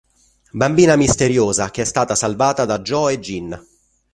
Bambina misteriosa che è stata salvata da Jo e Jin.